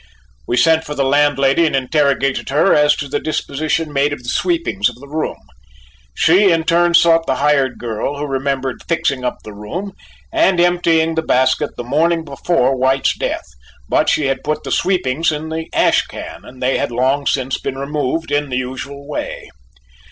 We sent for the landlady and interrogated her as to the disposition made of the sweepings of the room. She in turn sought the hired girl, who remembered "fixing up the room" and emptying the basket the morning before White's death, but she had put the sweepings in the ash can and they had long since been removed in the usual way.